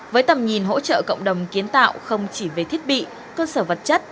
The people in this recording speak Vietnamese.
với tầm nhìn hỗ trợ cộng đồng kiến tạo không chỉ về thiết bị cơ sở vật chất